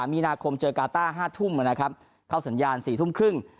มีนาคมเจอกาต้า๕ทุ่มนะครับเข้าสัญญาณ๔ทุ่มครึ่ง